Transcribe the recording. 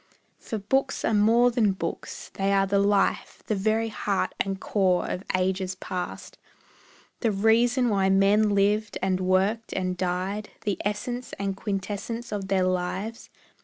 For books are more than books, they are the life, The very heart and core of ages past, The reason why men lived, and worked, and died, The essence and quintessence of their lives.